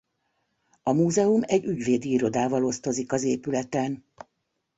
A múzeum egy ügyvédi irodával osztozik az épületen.